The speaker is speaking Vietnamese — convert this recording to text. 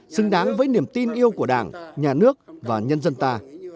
xứng đáng với niềm tin yêu của đảng nhà nước và nhân dân ta